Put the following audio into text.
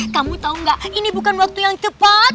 kamu tau gak ini bukan waktu yang tepat